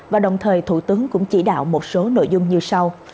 và đồng thời thủ tướng cũng chỉ đạo một số nội dung như sau